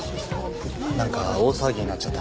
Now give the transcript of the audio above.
何か大騒ぎになっちゃったな。